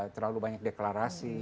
terlalu banyak deklarasi